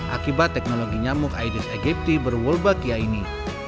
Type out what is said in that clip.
akibat teknologi nyamuk aedes aegypti berwolbakia ini